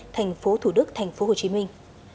thành phố thủ đức thành phố hồ chí minh